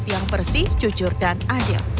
yang bersih jujur dan adil